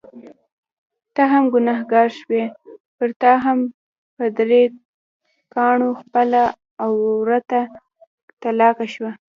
ته هم ګنهګار شوې، پرتا هم په درې کاڼو خپله عورته طلاقه شوه.